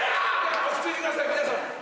落ち着いてください皆さん。